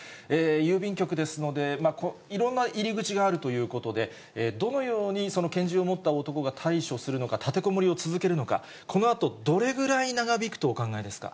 郵便局ですので、いろんな入り口があるということで、どのようにその拳銃を持った男が対処するのか、立てこもりを続けるのか、このあと、どれぐらい長引くとお考えですか。